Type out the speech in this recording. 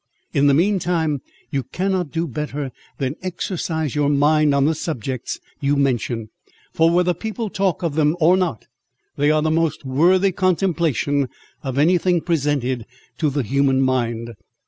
In the mean time, you cannot do better than exercise your mind on the subjects you mention; for whether people talk of them or not, they are the most worthy contemplation of any thing presented to the human mind.